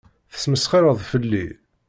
Tesmesxireḍ fell-i.